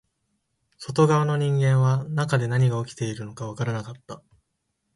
外側の人間は中で何が起きているのかわからなかった